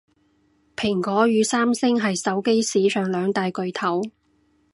蘋果與三星係手機市場兩大巨頭